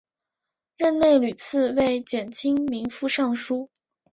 任内屡次为减轻民负上疏。